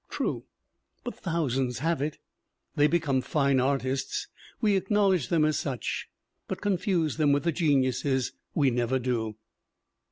True, but thousands have it. They be come fine artists, we acknowledge them as such; but confuse them with the geniuses we never do!